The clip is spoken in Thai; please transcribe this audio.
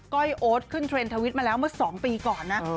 ้อยโอ๊ตขึ้นเทรนดทวิตมาแล้วเมื่อ๒ปีก่อนนะ